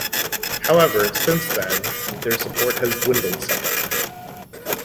However, since then, their support has dwindled somewhat.